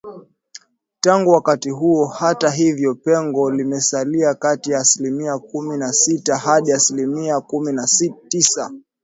Tangu wakati huo hata hivyo pengo limesalia kati ya asilimia kumi na sita hadi aslimia kumi na tisa